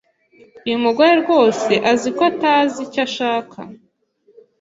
Uyu mugore rwose azi ko atazi icyo ashaka.